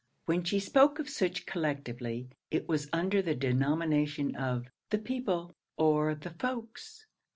When she spoke of such collectively, it was under the denomination of 'the people, or the folks.'